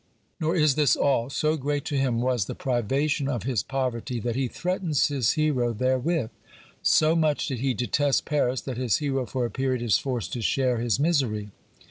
Nor is this all ; so great to him was the privation of his poverty that he threatens his hero therewith; so much did he detest Paris that his hero for a period is forced to share his misery.